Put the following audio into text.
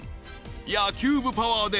［野球部パワーで］